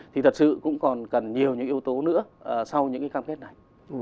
thì thật sự cũng còn cần nhiều những yếu tố nữa sau những cái cam kết này